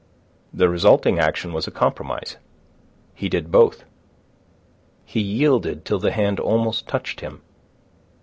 The resulting action was a compromise. He did both. He yielded till the hand almost touched him.